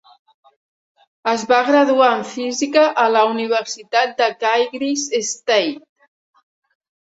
Es va graduar en física a la Universitat de Kyrgyz State.